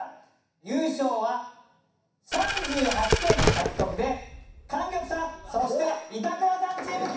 優勝は３８点獲得で莟玉さんそして板倉さんチームです！